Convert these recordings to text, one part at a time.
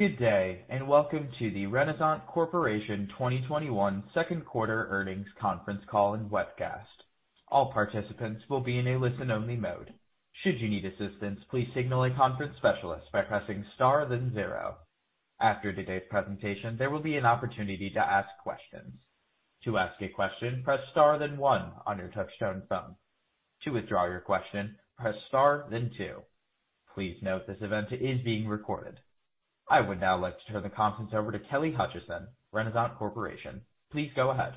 Good day, and welcome to the Renasant Corporation 2021 second quarter earnings conference call and webcast. All participants will be in a listen-only mode. Should you need assistance, please signal a conference specialist by pressing star then zero. After today's presentation, there will be an opportunity to ask questions. To ask a question, press star then one on your touch-tone phone. To withdraw your question, press star then two. Please note this event is being recorded. I would now like to turn the conference over to Kelly Hutcheson, Renasant Corporation. Please go ahead.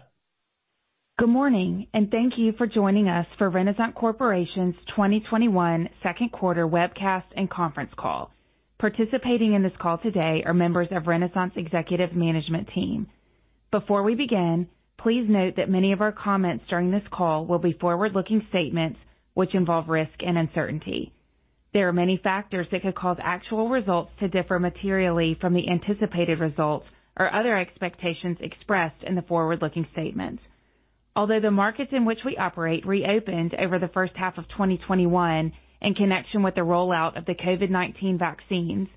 Good morning, and thank you for joining us for Renasant Corporation's 2021 second quarter webcast and conference call. Participating in this call today are members of Renasant's executive management team. Before we begin, please note that many of our comments during this call will be forward-looking statements, which involve risk and uncertainty. There are many factors that could cause actual results to differ materially from the anticipated results or other expectations expressed in the forward-looking statements. Although the markets in which we operate reopened over the first half of 2021 in connection with the rollout of the COVID-19 vaccines,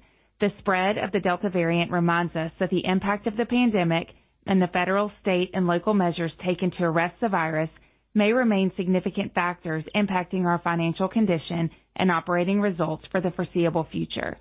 the spread of the Delta variant reminds us that the impact of the pandemic and the federal, state, and local measures taken to arrest the virus may remain significant factors impacting our financial condition and operating results for the foreseeable future.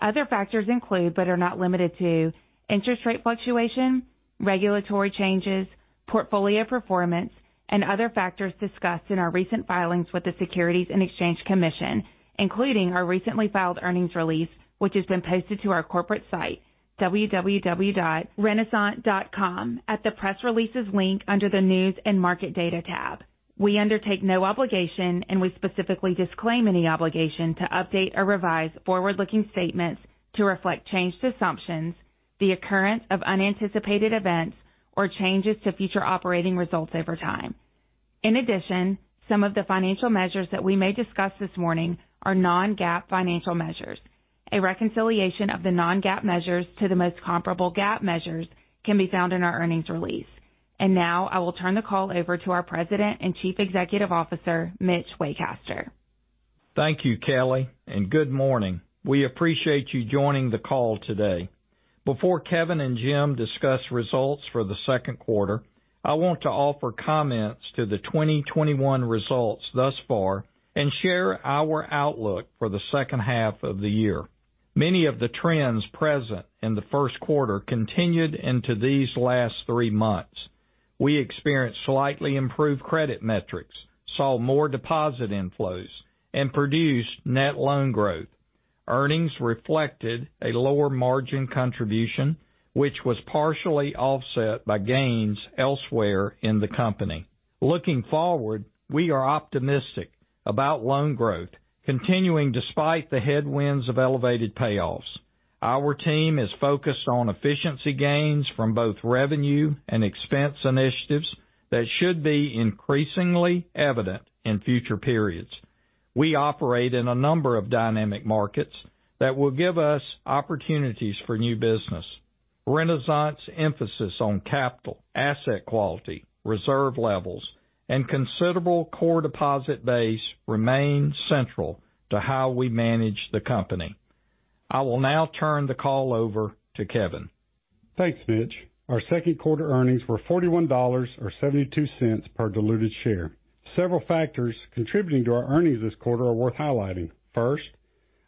Other factors include, but are not limited to, interest rate fluctuation, regulatory changes, portfolio performance, and other factors discussed in our recent filings with the Securities and Exchange Commission, including our recently filed earnings release, which has been posted to our corporate site, www.renasant.com, at the Press Releases link under the News and Market Data tab. We undertake no obligation and we specifically disclaim any obligation to update or revise forward-looking statements to reflect changed assumptions, the occurrence of unanticipated events, or changes to future operating results over time. In addition, some of the financial measures that we may discuss this morning are non-GAAP financial measures. A reconciliation of the non-GAAP measures to the most comparable GAAP measures can be found in our earnings release. Now I will turn the call over to our President and Chief Executive Officer, Mitch Waycaster. Thank you, Kelly, and good morning. We appreciate you joining the call today. Before Kevin and Jim discuss results for the second quarter, I want to offer comments to the 2021 results thus far and share our outlook for the second half of the year. Many of the trends present in the first quarter continued into these last three months. We experienced slightly improved credit metrics, saw more deposit inflows, and produced net loan growth. Earnings reflected a lower margin contribution, which was partially offset by gains elsewhere in the company. Looking forward, we are optimistic about loan growth continuing despite the headwinds of elevated payoffs. Our team is focused on efficiency gains from both revenue and expense initiatives that should be increasingly evident in future periods. We operate in a number of dynamic markets that will give us opportunities for new business. Renasant's emphasis on capital, asset quality, reserve levels, and considerable core deposit base remains central to how we manage the company. I will now turn the call over to Kevin. Thanks, Mitch. Our second quarter earnings were $41 or $0.72 per diluted share. Several factors contributing to our earnings this quarter are worth highlighting. First,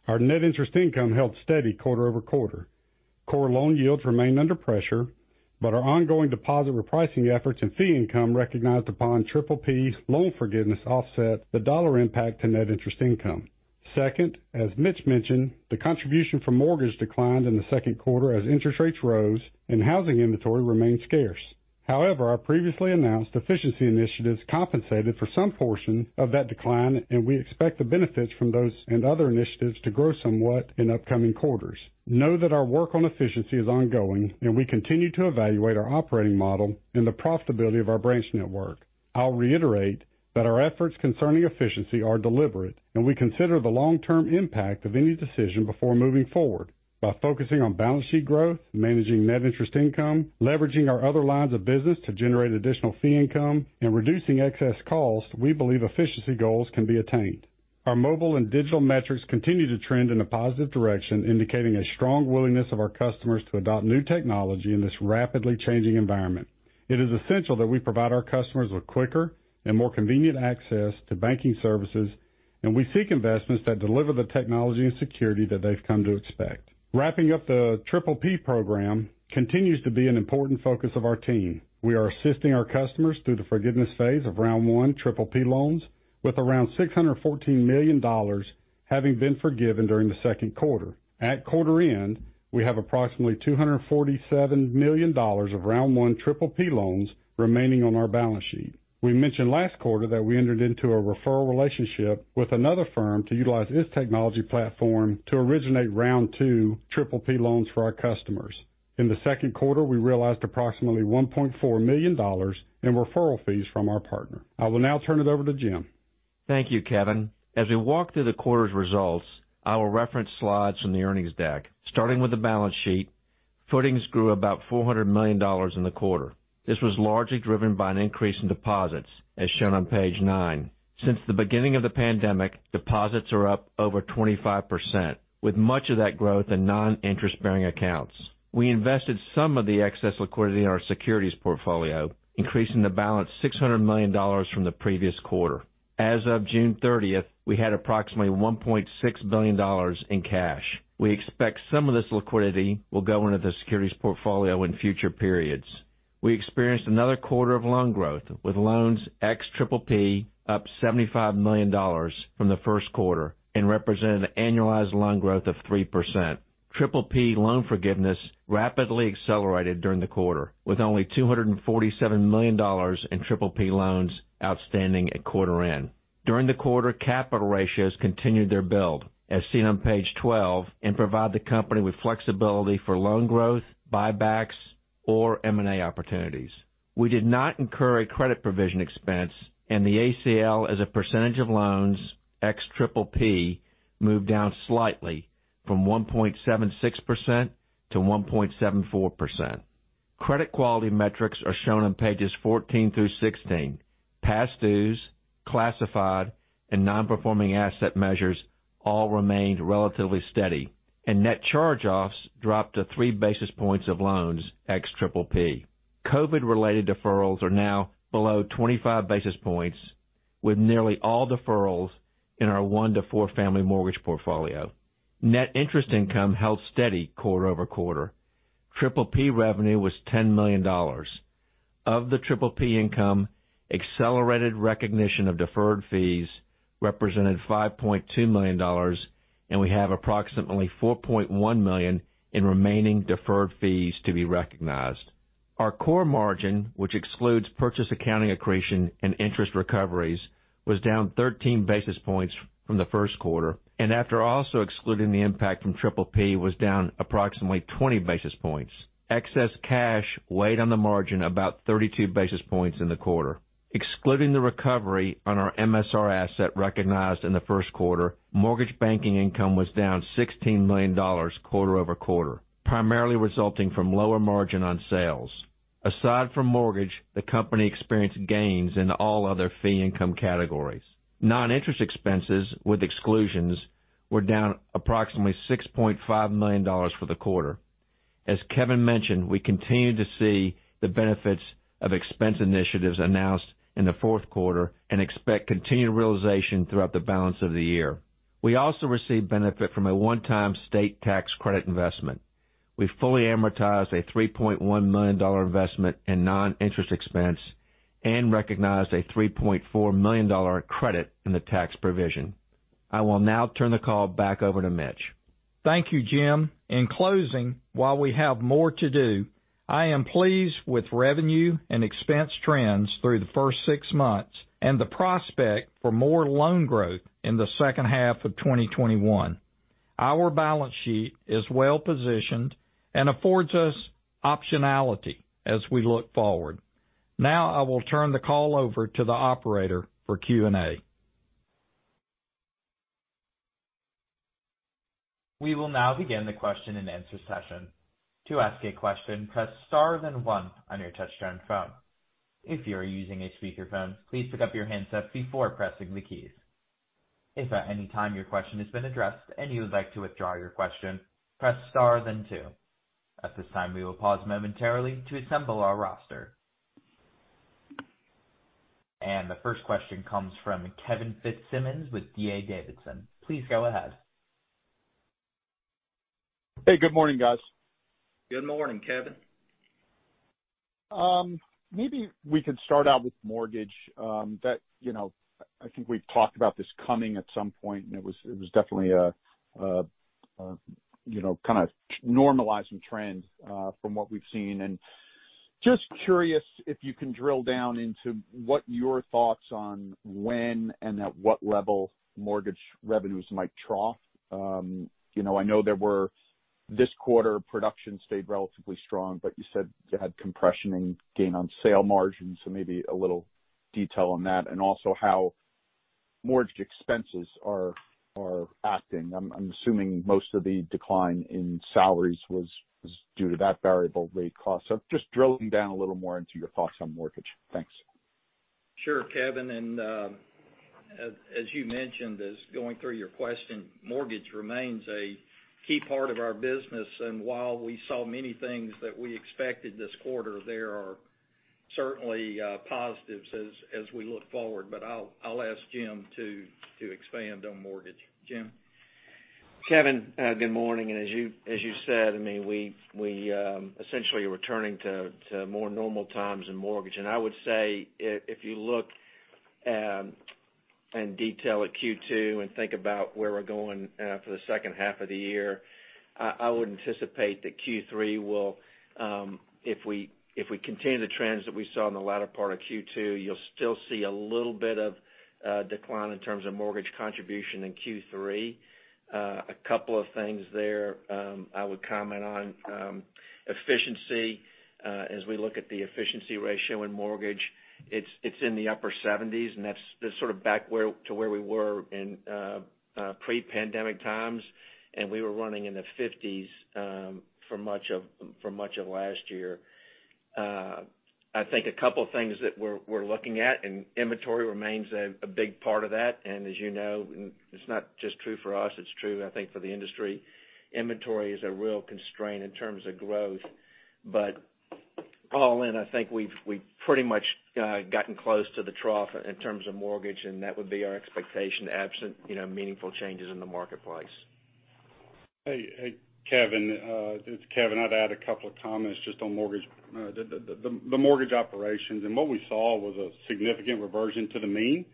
our net interest income held steady quarter-over-quarter. Core loan yields remained under pressure, but our ongoing deposit repricing efforts and fee income recognized upon PPP loan forgiveness offset the dollar impact to net interest income. Second, as Mitch mentioned, the contribution from mortgage declined in the second quarter as interest rates rose and housing inventory remained scarce. Our previously announced efficiency initiatives compensated for some portion of that decline, and we expect the benefits from those and other initiatives to grow somewhat in upcoming quarters. Know that our work on efficiency is ongoing, and we continue to evaluate our operating model and the profitability of our branch network. I'll reiterate that our efforts concerning efficiency are deliberate, and we consider the long-term impact of any decision before moving forward. By focusing on balance sheet growth, managing net interest income, leveraging our other lines of business to generate additional fee income, and reducing excess cost, we believe efficiency goals can be attained. Our mobile and digital metrics continue to trend in a positive direction, indicating a strong willingness of our customers to adopt new technology in this rapidly changing environment. It is essential that we provide our customers with quicker and more convenient access to banking services, and we seek investments that deliver the technology and security that they've come to expect. Wrapping up the PPP program continues to be an important focus of our team. We are assisting our customers through the forgiveness phase of round one PPP loans, with around $614 million having been forgiven during the second quarter. At quarter end, we have approximately $247 million of round one PPP loans remaining on our balance sheet. We mentioned last quarter that we entered into a referral relationship with another firm to utilize its technology platform to originate round two PPP loans for our customers. In the second quarter, we realized approximately $1.4 million in referral fees from our partner. I will now turn it over to Jim. Thank you, Kevin. As we walk through the quarter's results, I will reference slides from the earnings deck. Starting with the balance sheet. Footings grew about $400 million in the quarter. This was largely driven by an increase in deposits, as shown on Page nine. Since the beginning of the pandemic, deposits are up over 25%, with much of that growth in non-interest bearing accounts. We invested some of the excess liquidity in our securities portfolio, increasing the balance $600 million from the previous quarter. As of June 30th, we had approximately $1.6 billion in cash. We expect some of this liquidity will go into the securities portfolio in future periods. We experienced another quarter of loan growth, with loans ex PPP up $75 million from the first quarter and represented an annualized loan growth of 3%. PPP loan forgiveness rapidly accelerated during the quarter, with only $247 million in PPP loans outstanding at quarter end. During the quarter, capital ratios continued their build, as seen on Page 12, and provide the company with flexibility for loan growth, buybacks, or M&A opportunities. We did not incur a credit provision expense, and the ACL as a percentage of loans, ex PPP, moved down slightly from 1.76% to 1.74%. Credit quality metrics are shown on Pages 14 through 16. Past dues, classified, and non-performing asset measures all remained relatively steady, and net charge-offs dropped to 3 basis points of loans, ex PPP. COVID-related deferrals are now below 25 basis points, with nearly all deferrals in our one to four family mortgage portfolio. Net interest income held steady quarter-over-quarter. PPP revenue was $10 million. Of the PPP income, accelerated recognition of deferred fees represented $5.2 million, and we have approximately $4.1 million in remaining deferred fees to be recognized. Our core margin, which excludes purchase accounting accretion and interest recoveries, was down 13 basis points from the first quarter, and after also excluding the impact from PPP, was down approximately 20 basis points. Excess cash weighed on the margin about 32 basis points in the quarter. Excluding the recovery on our MSR asset recognized in the first quarter, mortgage banking income was down $16 million quarter-over-quarter, primarily resulting from lower margin on sales. Aside from mortgage, the company experienced gains in all other fee income categories. Non-interest expenses with exclusions were down approximately $6.5 million for the quarter. As Kevin mentioned, we continue to see the benefits of expense initiatives announced in the fourth quarter and expect continued realization throughout the balance of the year. We also received benefit from a one-time state tax credit investment. We fully amortized a $3.1 million investment in non-interest expense and recognized a $3.4 million credit in the tax provision. I will now turn the call back over to Mitch. Thank you, Jim. In closing, while we have more to do, I am pleased with revenue and expense trends through the first six months and the prospect for more loan growth in the second half of 2021. Our balance sheet is well positioned and affords us optionality as we look forward. Now, I will turn the call over to the operator for Q&A. We will now begin the question-and-answer session. To ask a question press star then one on your touch-tone phone. If you are using a speaker phone please pick up your handset before pressing the queue. If at any time your question has been addressed and you would like to withdraw your question press star then two. At this time we will pause memontarily to assemble the roster. The first question comes from Kevin Fitzsimmons with D.A. Davidson. Please go ahead. Hey, good morning, guys. Good morning, Kevin. Maybe we could start out with mortgage. I think we've talked about this coming at some point, and it was definitely a kind of normalizing trend from what we've seen. Just curious if you can drill down into what your thoughts are on when and at what level mortgage revenues might trough. I know this quarter production stayed relatively strong, but you said you had compression in gain on sale margins, so maybe a little detail on that. Also how mortgage expenses are acting. I'm assuming most of the decline in salaries was due to that variable rate cost. Just drilling down a little more into your thoughts on mortgage. Thanks. Sure, Kevin, as you mentioned, as going through your question, mortgage remains a key part of our business. While we saw many things that we expected this quarter, there are certainly positives as we look forward. I'll ask Jim to expand on mortgage. Jim? Kevin, good morning. As you said, we essentially are returning to more normal times in mortgage. I would say if you look in detail at Q2 and think about where we're going for the second half of the year, I would anticipate that Q3 will, if we continue the trends that we saw in the latter part of Q2, you'll still see a little bit of decline in terms of mortgage contribution in Q3. A couple of things there I would comment on. Efficiency. As we look at the efficiency ratio in mortgage, it's in the upper 70s, and that's back to where we were in pre-pandemic times, and we were running in the 50s for much of last year. I think a couple of things that we're looking at, and inventory remains a big part of that. As you know, it's not just true for us, it's true, I think, for the industry. Inventory is a real constraint in terms of growth. All in, I think we've pretty much gotten close to the trough in terms of mortgage, and that would be our expectation absent meaningful changes in the marketplace. Hey, Kevin. It's Kevin. I'd add a couple of comments just on the mortgage operations. What we saw was a significant reversion to the mean.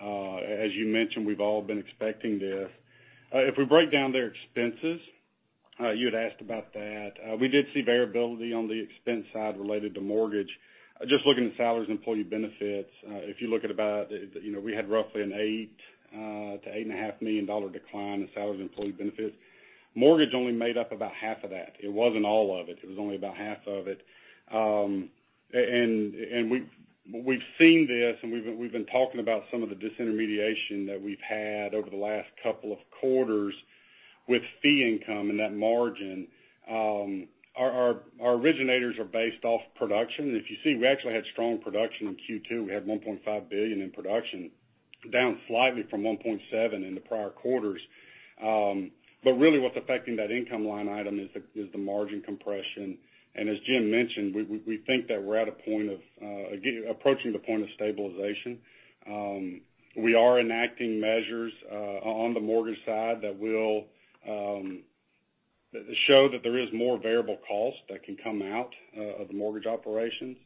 As you mentioned, we've all been expecting this. If we break down their expenses, you had asked about that, we did see variability on the expense side related to mortgage. Just looking at salaries, employee benefits, if you look at about, we had roughly an $8 million-$8.5 million decline in salaries and employee benefits. Mortgage only made up about half of that. It wasn't all of it. It was only about half of it. We've seen this, and we've been talking about some of the disintermediation that we've had over the last couple of quarters with fee income and that margin. Our originators are based off production. If you see, we actually had strong production in Q2. We had $1.5 billion in production, down slightly from $1.7 in the prior quarters. Really what's affecting that income line item is the margin compression. As Jim mentioned, we think that we're approaching the point of stabilization. We are enacting measures on the mortgage side that show that there is more variable cost that can come out of the mortgage operations.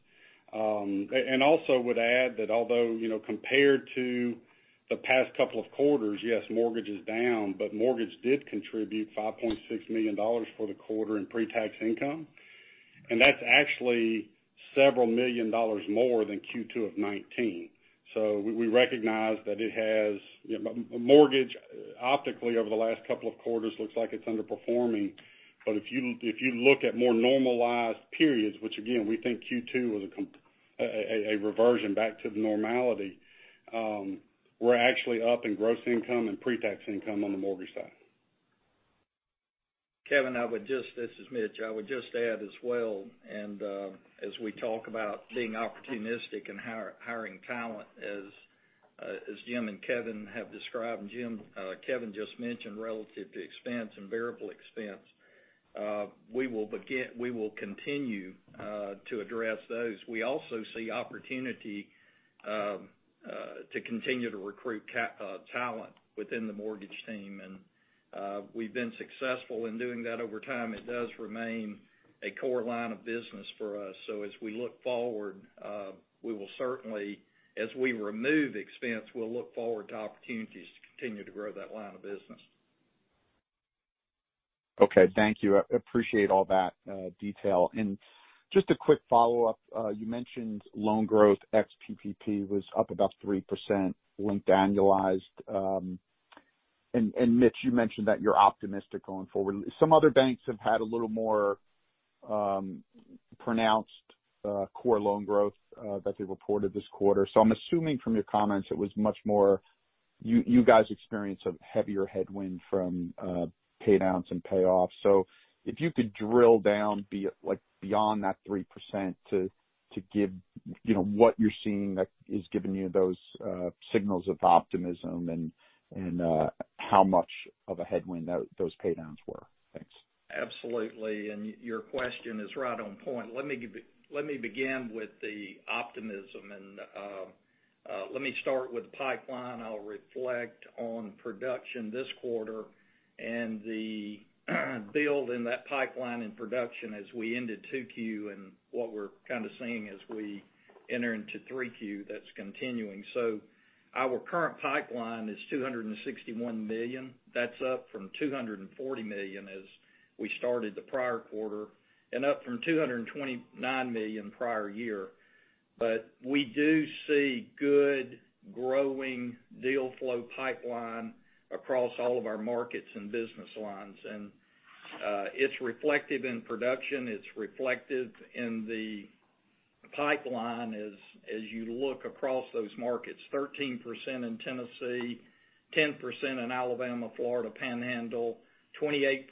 Also would add that although, compared to the past couple of quarters, yes, mortgage is down, but mortgage did contribute $5.6 million for the quarter in pre-tax income. That's actually several million dollars more than Q2 of 2019. We recognize that mortgage optically over the last couple of quarters looks like it's underperforming. If you look at more normalized periods, which again, we think Q2 was a reversion back to the normality, we're actually up in gross income and pre-tax income on the mortgage side. Kevin, this is Mitch. I would just add as well, and as we talk about being opportunistic and hiring talent, as Jim and Kevin have described, and Kevin just mentioned relative to expense and variable expense, we will continue to address those. We also see opportunity to continue to recruit talent within the mortgage team. We've been successful in doing that over time. It does remain a core line of business for us. As we look forward, we will certainly, as we remove expense, we'll look forward to opportunities to continue to grow that line of business. Okay. Thank you. I appreciate all that detail. Just a quick follow-up. You mentioned loan growth ex-PPP was up about 3% linked annualized. Mitch, you mentioned that you're optimistic going forward. Some other banks have had a little more pronounced core loan growth that they reported this quarter. I'm assuming from your comments, it was much more you guys experienced a heavier headwind from pay downs and payoffs. If you could drill down beyond that 3% to give what you're seeing that is giving you those signals of optimism and how much of a headwind those pay downs were. Thanks. Absolutely. Your question is right on point. Let me begin with the optimism and let me start with pipeline. I'll reflect on production this quarter and the build in that pipeline in production as we ended 2Q and what we're kind of seeing as we enter into 3Q that's continuing. Our current pipeline is $261 million. That's up from $240 million as we started the prior quarter, and up from $229 million prior year. We do see good growing deal flow pipeline across all of our markets and business lines, and it's reflective in production, it's reflective in the pipeline as you look across those markets, 13% in Tennessee, 10% in Alabama, Florida Panhandle, 28%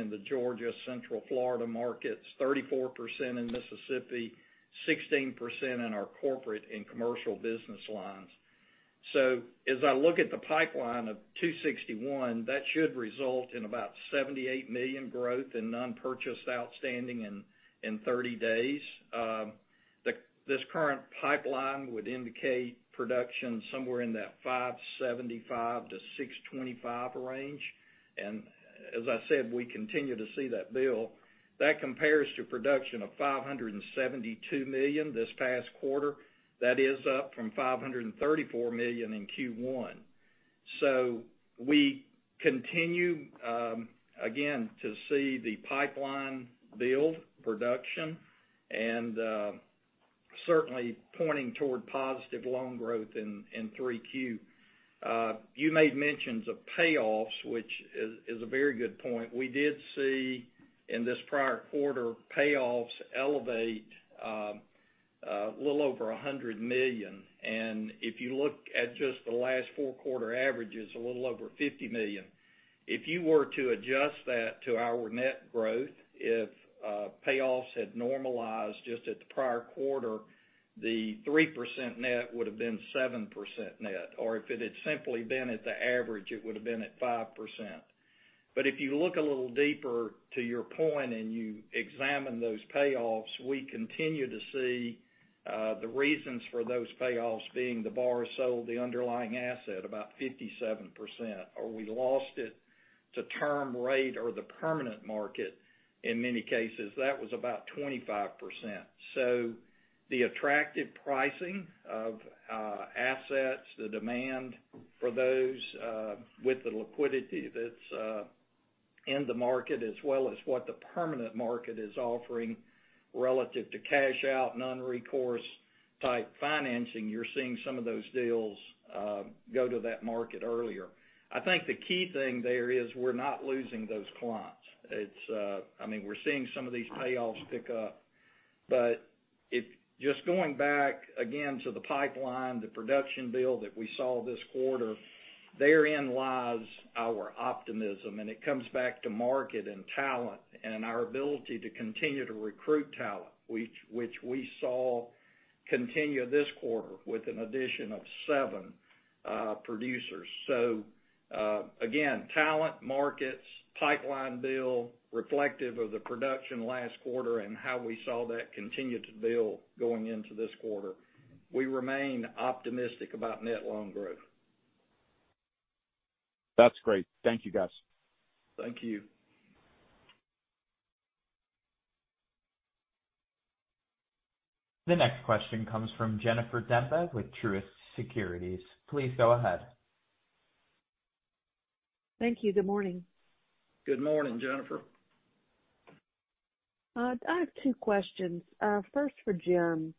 in the Georgia, Central Florida markets, 34% in Mississippi, 16% in our corporate and commercial business lines. As I look at the pipeline of 261, that should result in about $78 million growth in non-purchased outstanding in 30 days. This current pipeline would indicate production somewhere in that 575-625 range. As I said, we continue to see that build. That compares to production of $572 million this past quarter. That is up from $534 million in Q1. We continue, again, to see the pipeline build production and certainly pointing toward positive loan growth in 3Q. You made mentions of payoffs, which is a very good point. We did see in this prior quarter payoffs elevate a little over $100 million. If you look at just the last four quarter averages, a little over $50 million. If you were to adjust that to our net growth, if payoffs had normalized just at the prior quarter, the 3% net would have been 7% net, or if it had simply been at the average, it would have been at 5%. If you look a little deeper to your point and you examine those payoffs, we continue to see the reasons for those payoffs being the borrower sold the underlying asset, about 57%, or we lost it to term rate or the permanent market, in many cases, that was about 25%. The attractive pricing of assets, the demand for those with the liquidity that's in the market, as well as what the permanent market is offering relative to cash out, non-recourse type financing, you're seeing some of those deals go to that market earlier. I think the key thing there is we're not losing those clients. We're seeing some of these payoffs pick up, but just going back again to the pipeline, the production build that we saw this quarter, therein lies our optimism, and it comes back to market and talent and our ability to continue to recruit talent, which we saw continue this quarter with an addition of seven producers. Again, talent, markets, pipeline build reflective of the production last quarter and how we saw that continue to build going into this quarter. We remain optimistic about net loan growth. That's great. Thank you, guys. Thank you. The next question comes from Jennifer Demba with Truist Securities. Please go ahead. Thank you. Good morning. Good morning, Jennifer. I have two questions. First for Jim.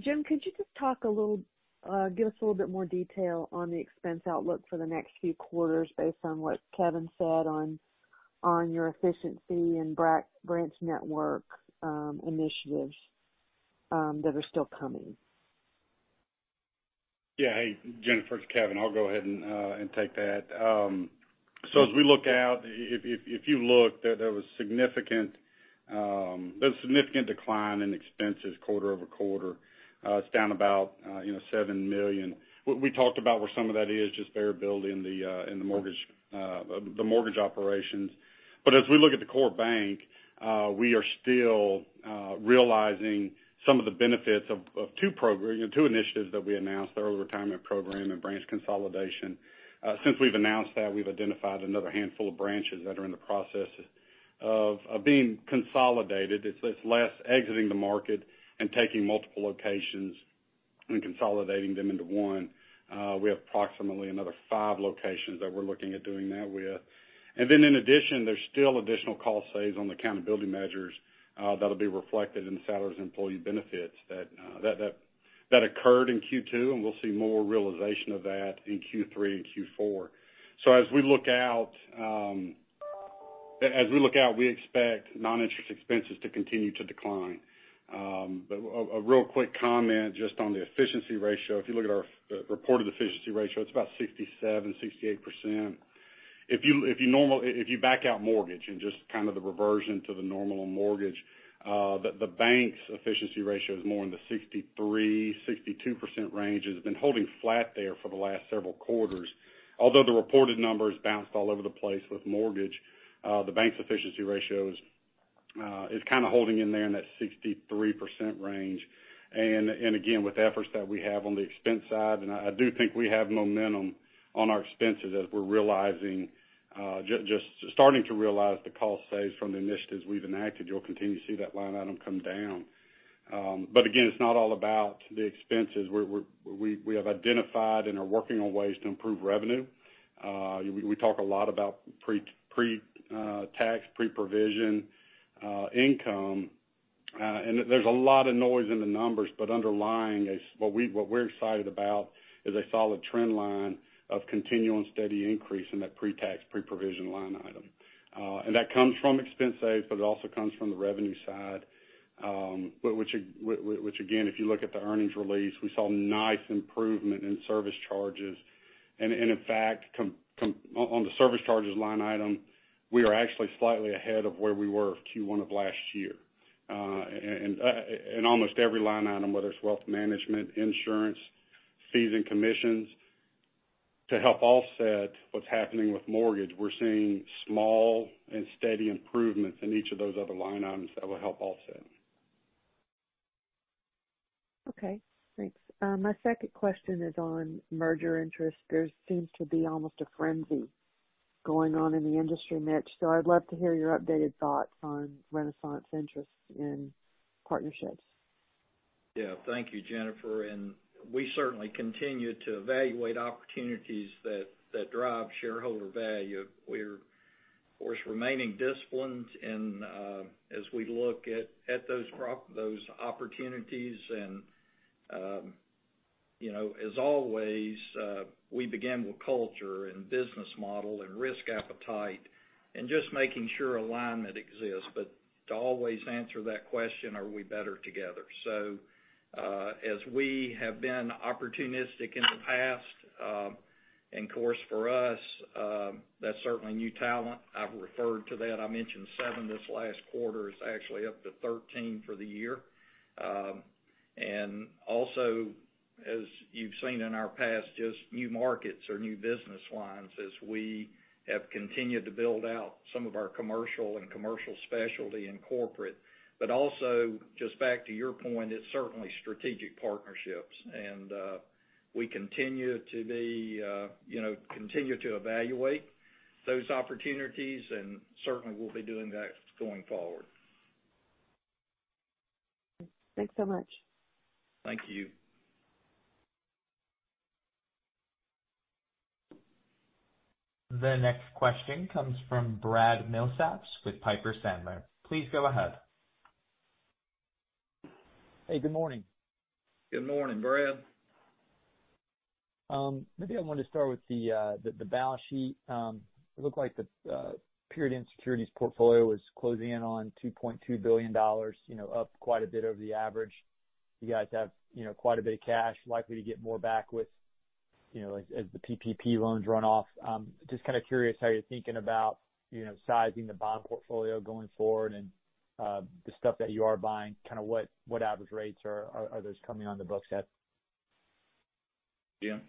Jim, could you just give us a little bit more detail on the expense outlook for the next few quarters based on what Kevin said on your efficiency and branch network initiatives that are still coming? Yeah. Hey, Jennifer, it's Kevin. I'll go ahead and take that. As we look out, if you look, there was a significant decline in expenses quarter-over-quarter. It's down about $7 million. What we talked about where some of that is just variability in the mortgage operations. As we look at the core bank, we are still realizing some of the benefits of two initiatives that we announced, the Early Retirement Program and Branch Consolidation. Since we've announced that, we've identified another handful of branches that are in the process of being consolidated. It's less exiting the market and taking multiple locations and consolidating them into one. We have approximately another five locations that we're looking at doing that with. Then in addition, there's still additional cost saves on accountability measures that'll be reflected in the salaries and employee benefits that occurred in Q2, and we'll see more realization of that in Q3 and Q4. As we look out, we expect non-interest expenses to continue to decline. A real quick comment just on the efficiency ratio. If you look at our reported efficiency ratio, it's about 67%, 68%. If you back out mortgage and just kind of the reversion to the normal mortgage, the bank's efficiency ratio is more in the 63%, 62% range. It's been holding flat there for the last several quarters. Although the reported numbers bounced all over the place with mortgage, the bank's efficiency ratio is kind of holding in there in that 63% range. With efforts that we have on the expense side, I do think we have momentum on our expenses as we're just starting to realize the cost saves from the initiatives we've enacted. You'll continue to see that line item come down. It's not all about the expenses. We have identified and are working on ways to improve revenue. We talk a lot about pre-tax, pre-provision income. There's a lot of noise in the numbers, but underlying, what we're excited about is a solid trend line of continuing steady increase in that pre-tax, pre-provision line item. That comes from expense saves, but it also comes from the revenue side. If you look at the earnings release, we saw nice improvement in service charges. In fact, on the service charges line item, we are actually slightly ahead of where we were Q1 of last year. Almost every line item, whether it's wealth management, insurance, fees and commissions, to help offset what's happening with mortgage, we're seeing small and steady improvements in each of those other line items that will help offset. Okay, thanks. My second question is on merger interest. There seems to be almost a frenzy going on in the industry mix, so I'd love to hear your updated thoughts on Renasant's interest in partnerships. Yeah, thank you, Jennifer. We certainly continue to evaluate opportunities that drive shareholder value. Of course, remaining disciplined as we look at those opportunities. As always, we begin with culture and business model and risk appetite, and just making sure alignment exists, to always answer that question, are we better together? As we have been opportunistic in the past, and course for us, that's certainly new talent. I've referred to that. I mentioned seven this last quarter. It's actually up to 13 for the year. Also, as you've seen in our past, just new markets or new business lines as we have continued to build out some of our commercial and commercial specialty and corporate. Also, just back to your point, it's certainly strategic partnerships. We continue to evaluate those opportunities, and certainly we'll be doing that going forward. Thanks so much. Thank you. The next question comes from Brad Milsaps with Piper Sandler. Please go ahead. Hey, good morning. Good morning, Brad. Maybe I wanted to start with the balance sheet. It looked like the period end securities portfolio was closing in on $2.2 billion, up quite a bit over the average. You guys have quite a bit of cash, likely to get more back as the PPP loans run off. Just kind of curious how you're thinking about sizing the bond portfolio going forward and, the stuff that you are buying, what average rates are those coming on the books at? Jim?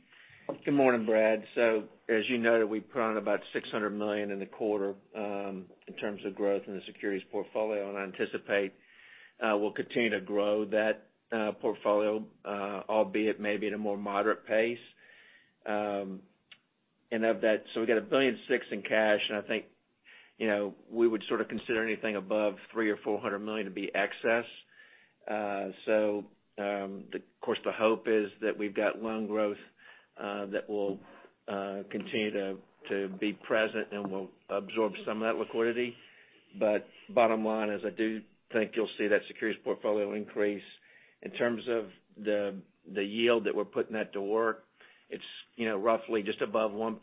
Good morning, Brad. As you noted, we put on about $600 million in the quarter, in terms of growth in the securities portfolio. I anticipate we'll continue to grow that portfolio, albeit maybe at a more moderate pace. We got $1.6 billion in cash, and I think, we would sort of consider anything above $300 million or $400 million to be excess. The cost of hope is that we get loan growth that will continue to be present and absorb somewhat liquidity. Bottom line is I do think you'll see that securities portfolio increase. In terms of the yield that we're putting that to work, it's roughly just above 1%,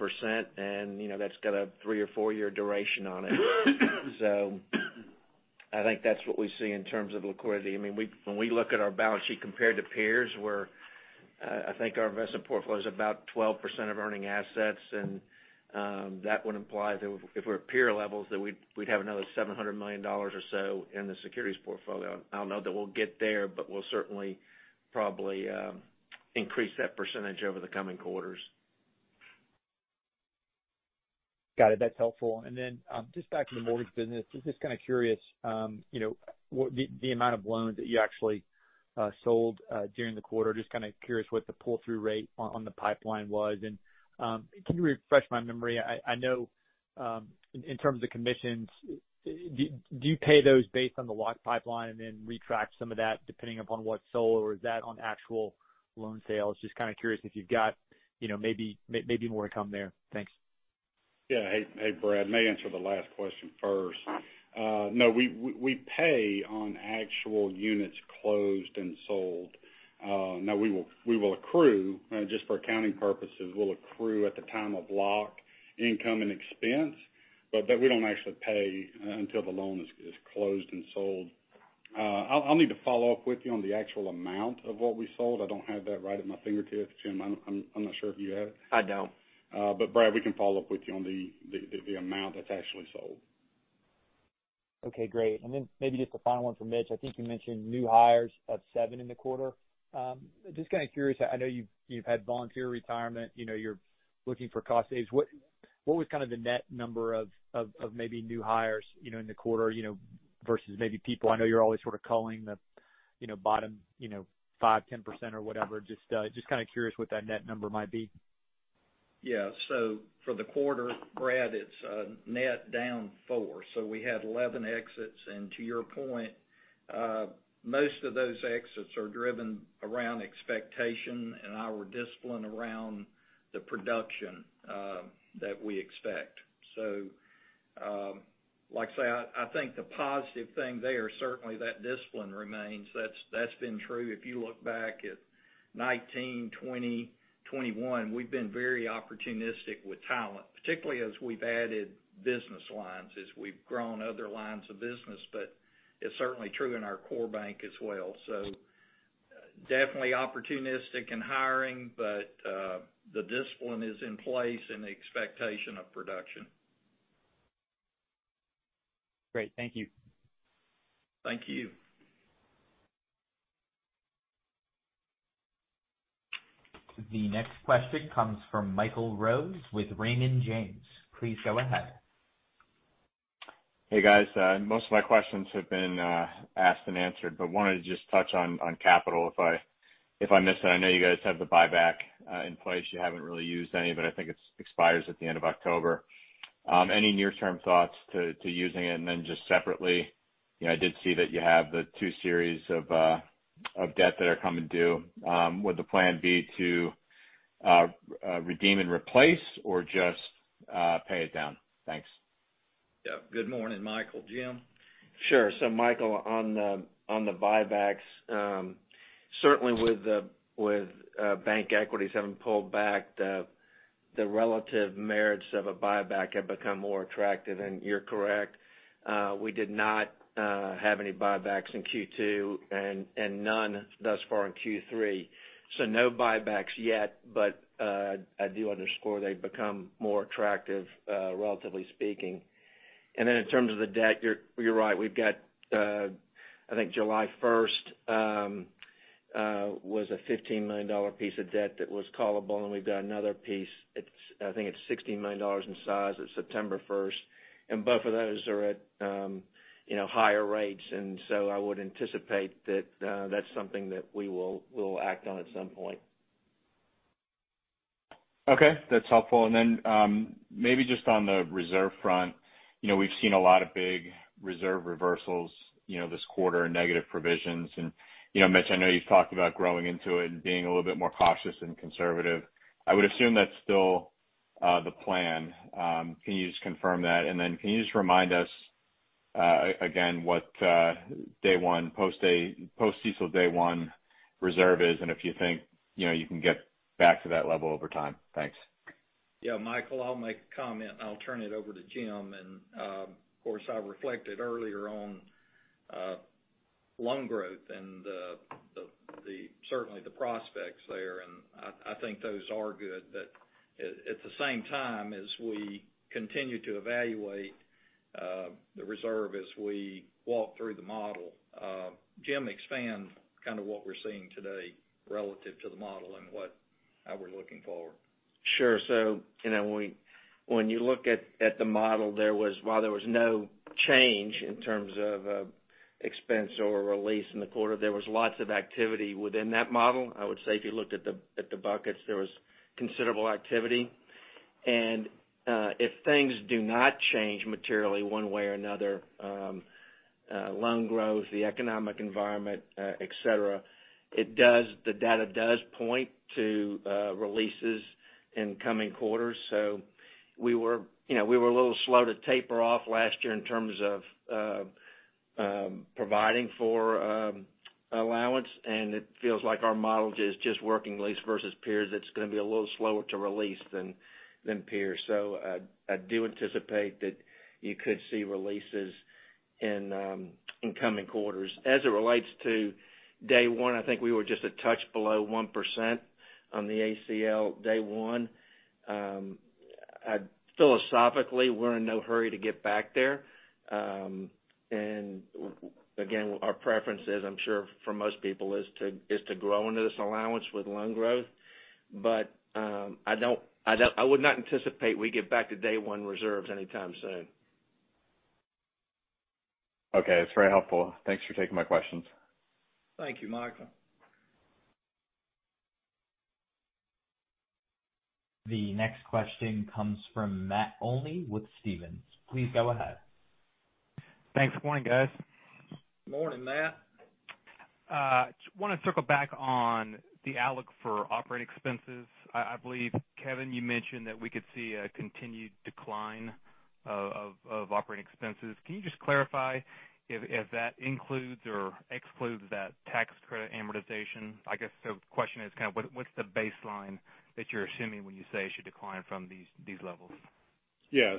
and that's got a three or four-year duration on it. I think that's what we see in terms of liquidity. When we look at our balance sheet compared to peers, I think our investment portfolio is about 12% of earning assets. That would imply that if we're at peer levels, that we'd have another $700 million or so in the securities portfolio. I don't know that we'll get there. We'll certainly probably increase that percentage over the coming quarters. Got it. That's helpful. Then, just back to the mortgage business, just kind of curious, the amount of loans that you actually sold during the quarter, just kind of curious what the pull-through rate on the pipeline was. Can you refresh my memory, I know, in terms of commissions, do you pay those based on the lock pipeline and then retract some of that depending upon what's sold, or is that on actual loan sales? Just kind of curious if you've got maybe more income there. Thanks. Yeah. Hey, Brad. May I answer the last question first? No, we pay on actual units closed and sold. Now, just for accounting purposes, we'll accrue at the time of lock income and expense, but we don't actually pay until the loan is closed and sold. I'll need to follow up with you on the actual amount of what we sold. I don't have that right at my fingertips. Jim, I'm not sure if you have it. I don't. Brad, we can follow up with you on the amount that's actually sold. Okay, great. Then maybe just the final one for Mitch. I think you mentioned new hires of seven in the quarter. Just kind of curious, I know you've had volunteer retirement, you're looking for cost saves. What was kind of the net number of maybe new hires in the quarter, versus maybe people, I know you're always sort of culling the bottom 5%-10% or whatever. Just kind of curious what that net number might be. Yeah. For the quarter, Brad, it's net down four. We had 11 exits, and to your point, most of those exits are driven around expectation and our discipline around the production that we expect. Like I say, I think the positive thing there, certainly that discipline remains. That's been true if you look back at 2019, 2020, 2021. We've been very opportunistic with talent, particularly as we've added business lines, as we've grown other lines of business. It's certainly true in our core bank as well. Definitely opportunistic in hiring, but the discipline is in place and the expectation of production. Great. Thank you. Thank you. The next question comes from Michael Rose with Raymond James. Please go ahead. Hey, guys. Most of my questions have been asked and answered, but wanted to just touch on capital if I missed it. I know you guys have the buyback in place. You haven't really used any, but I think it expires at the end of October. Any near-term thoughts to using it? Just separately, I did see that you have the two series of debt that are coming due. Would the plan be to redeem and replace or just pay it down? Thanks. Yeah. Good morning, Michael. Jim? Sure. Michael, on the buybacks, certainly with bank equities having pulled back, the relative merits of a buyback have become more attractive. You're correct, we did not have any buybacks in Q2 and none thus far in Q3. No buybacks yet, but I do underscore they've become more attractive, relatively speaking. In terms of the debt, you're right. We've got, I think, July 1st was a $15 million piece of debt that was callable, and we've got another piece at, I think it's $16 million in size. It's September 1st. Both of those are at higher rates. I would anticipate that that's something that we will act on at some point. Okay, that's helpful. Maybe just on the reserve front, we've seen a lot of big reserve reversals this quarter in negative provisions. Mitch, I know you've talked about growing into it and being a little bit more cautious and conservative. I would assume that's still the plan. Can you just confirm that? Can you just remind us again, what Day-One, post-CECL Day-One reserve is, and if you think you can get back to that level over time? Thanks. Yeah, Michael, I'll make a comment, and I'll turn it over to Jim. Of course, I reflected earlier on loan growth and certainly the prospects there, and I think those are good. At the same time, as we continue to evaluate the reserve as we walk through the model, Jim, expand kind of what we're seeing today relative to the model and how we're looking forward. Sure. When you look at the model, while there was no change in terms of expense over release in the quarter, there was lots of activity within that model. I would say if you looked at the buckets, there was considerable activity. If things do not change materially one way or another, loan growth, the economic environment, et cetera, the data does point to releases in coming quarters. We were a little slow to taper off last year in terms of providing for allowance, and it feels like our model is just working lease versus peers, it's going to be a little slower to release than peers. I do anticipate that you could see releases in coming quarters. As it relates to Day-One, I think we were just a touch below 1% on the ACL Day-One. Philosophically, we're in no hurry to get back there. Again, our preference is, I'm sure for most people, is to grow into this allowance with loan growth. I would not anticipate we get back to Day-One reserves anytime soon. Okay. It's very helpful. Thanks for taking my questions. Thank you, Michael. The next question comes from Matt Olney with Stephens. Please go ahead. Thanks. Morning, guys. Morning, Matt. Just want to circle back on the outlook for operating expenses. I believe, Kevin, you mentioned that we could see a continued decline of operating expenses. Can you just clarify if that includes or excludes that tax credit amortization? I guess the question is kind of what's the baseline that you're assuming when you say it should decline from these levels? Yeah.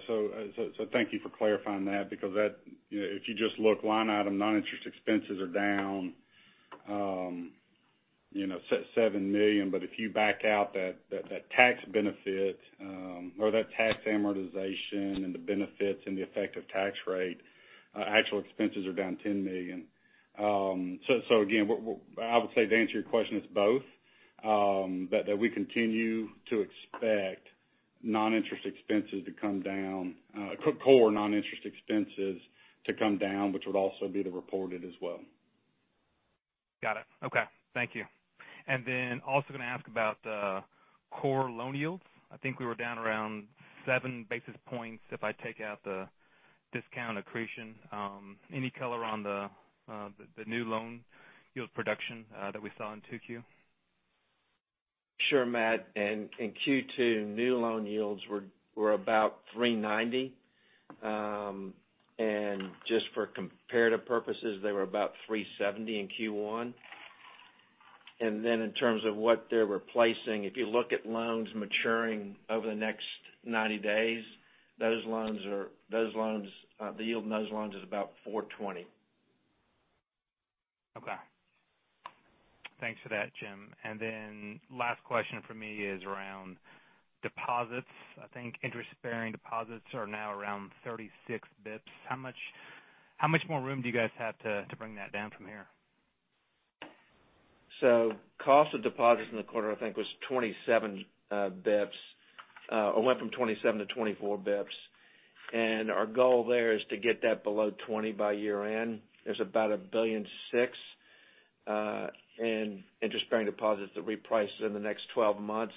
Thank you for clarifying that because if you just look line item, non-interest expenses are down, $7 million. If you back out that tax benefit, or that tax amortization and the benefits and the effective tax rate, actual expenses are down $10 million. Again, I would say to answer your question, it's both. That we continue to expect non-interest expenses to come down, core non-interest expenses to come down, which would also be the reported as well. Got it. Okay. Thank you. Also going to ask about the core loan yields. I think we were down around 7 basis points if I take out the discount accretion. Any color on the new loan yield production that we saw in 2Q? Sure, Matt. In Q2, new loan yields were about 390. Just for comparative purposes, they were about 370 in Q1. In terms of what they're replacing, if you look at loans maturing over the next 90 days, the yield on those loans is about 420. Okay. Thanks for that, Jim. Last question from me is around deposits. I think interest-bearing deposits are now around 36 basis points. How much more room do you guys have to bring that down from here? cost of deposits in the quarter, I think, was 27 basis points. It went from 27 to 24 basis points. Our goal there is to get that below 20 by year-end. There's about $1.6 billion in interest-bearing deposits that reprice in the next 12 months,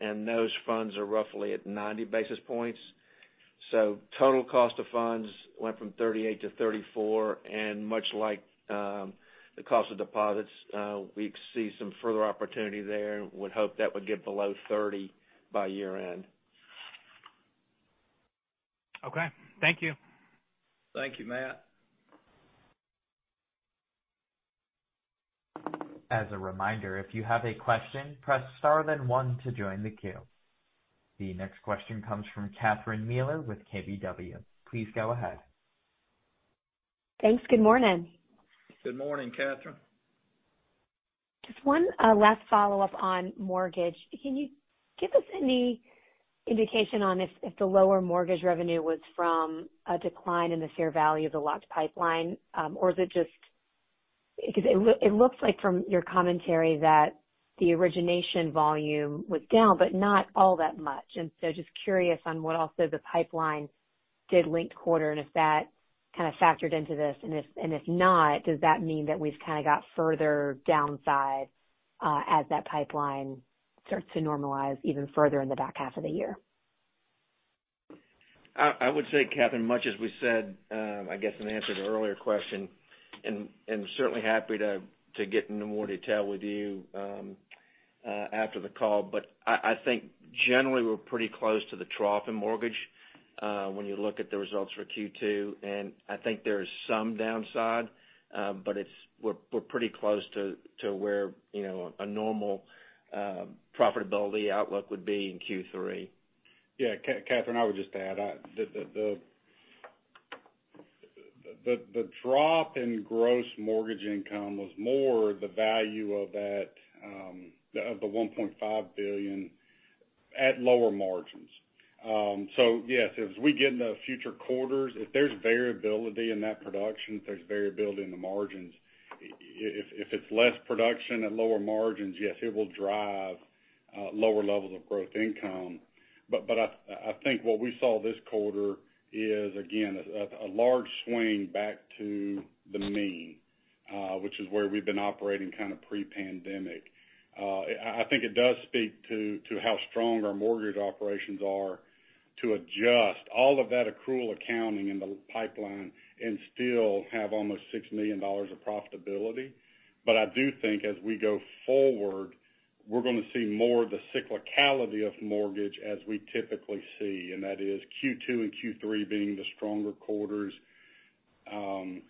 and those funds are roughly at 90 basis points. Total cost of funds went from 38% to 34%, and much like the cost of deposits, we see some further opportunity there and would hope that would get below 30% by year-end. Okay. Thank you. Thank you, Matt. As a reminder, if you have a question, press star then one to join the queue. The next question comes from Catherine Mealor with KBW. Please go ahead. Thanks. Good morning. Good morning, Catherine. Just one last follow-up on mortgage. Can you give us any indication on if the lower mortgage revenue was from a decline in the fair value of the locked pipeline? Because it looks like from your commentary that the origination volume was down, but not all that much. Just curious on what else the pipeline did linked quarter, and if that kind of factored into this. If not, does that mean that we've kind of got further downside, as that pipeline starts to normalize even further in the back half of the year? I would say, Catherine, much as we said, I guess in answer to the earlier question, and certainly happy to get into more detail with you after the call. I think generally, we're pretty close to the trough in mortgage, when you look at the results for Q2. I think there is some downside, but we're pretty close to where a normal profitability outlook would be in Q3. Yeah. Catherine, I would just add, the drop in gross mortgage income was more the value of the $1.5 billion at lower margins. Yes, as we get into future quarters, if there's variability in that production, if there's variability in the margins, if it's less production at lower margins, yes, it will drive lower levels of growth income. I think what we saw this quarter is, again, a large swing back to the mean, which is where we've been operating kind of pre-pandemic. I think it does speak to how strong our mortgage operations are to adjust all of that accrual accounting in the pipeline and still have almost $6 million of profitability. I do think as we go forward, we're going to see more of the cyclicality of mortgage as we typically see, and that is Q2 and Q3 being the stronger quarters. Q4,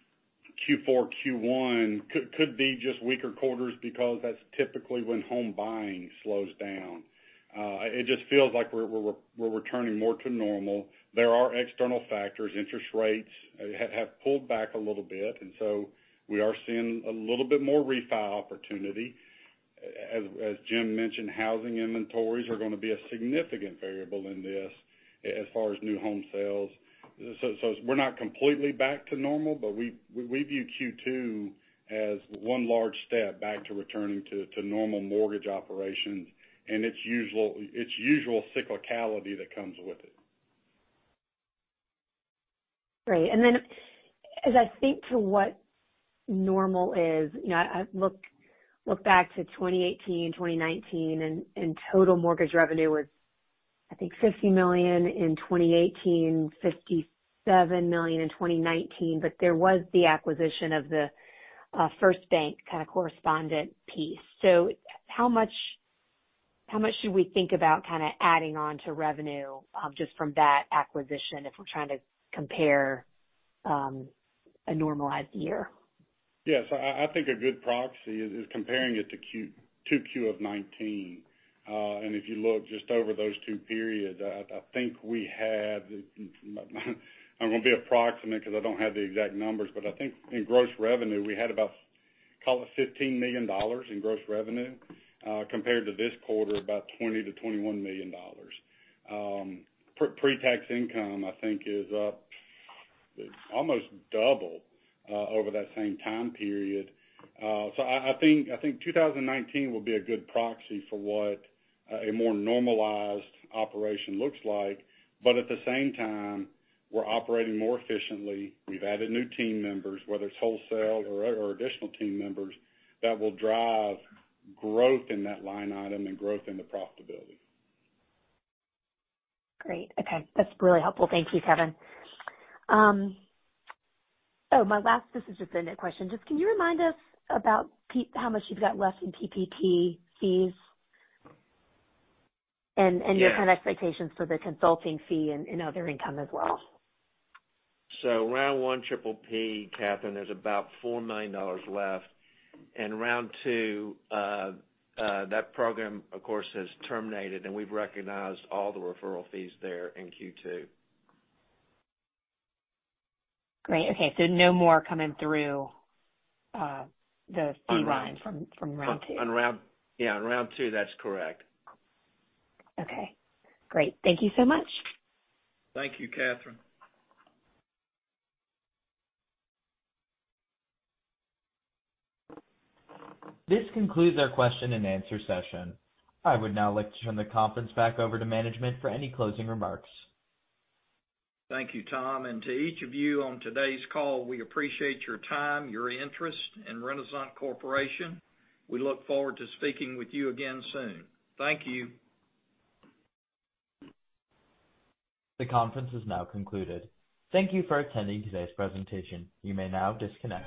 Q1 could be just weaker quarters because that's typically when home buying slows down. It just feels like we're returning more to normal. There are external factors. Interest rates have pulled back a little bit. We are seeing a little bit more refi opportunity. As Jim mentioned, housing inventories are going to be a significant variable in this, as far as new home sales. We're not completely back to normal, but we view Q2 as one large step back to returning to normal mortgage operations and its usual cyclicality that comes with it. Great. Then as I think to what normal is, I look back to 2018, 2019, and total mortgage revenue was, I think, $50 million in 2018, $57 million in 2019. There was the acquisition of The First Bank kind of correspondent piece. How much should we think about adding on to revenue just from that acquisition if we're trying to compare a normalized year? Yes. I think a good proxy is comparing it to 2Q of 2019. If you look just over those two periods, I'm going to be approximate because I don't have the exact numbers, but I think in gross revenue, we had about, call it, $15 million in gross revenue. Compared to this quarter, about $20 million-$21 million. Pre-tax income, I think is up almost double over that same time period. I think 2019 will be a good proxy for what a more normalized operation looks like. At the same time, we're operating more efficiently. We've added new team members, whether it's wholesale or additional team members, that will drive growth in that line item and growth into profitability. Great. Okay. That's really helpful. Thank you, Kevin. Oh, this is just the end question. Just can you remind us about how much you've got left in PPP fees. Yeah your kind of expectations for the consulting fee and other income as well? Round One PPP, Catherine, there's about $4 million left. In Round Two, that program, of course, has terminated, and we've recognized all the referral fees there in Q2. Great. Okay. No more coming through the fee line from round two. Yeah. In round two, that's correct. Okay. Great. Thank you so much. Thank you, Catherine. This concludes our question-and-answer session. I would now like to turn the conference back over to management for any closing remarks. Thank you, Tom, and to each of you on today's call. We appreciate your time, your interest in Renasant Corporation. We look forward to speaking with you again soon. Thank you. The conference is now concluded. Thank you for attending today's presentation. You may now disconnect.